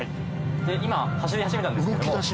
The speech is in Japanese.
今走り始めたんですけども。